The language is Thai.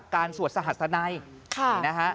การสวดสหัสนัยค่ะ